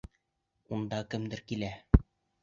Унда кемдер килә!